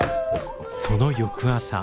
その翌朝。